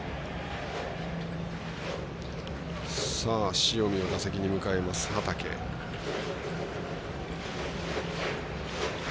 塩見を打席に迎えます、畠。